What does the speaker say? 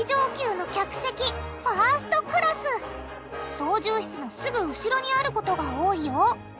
操縦室のすぐ後ろにあることが多いよ。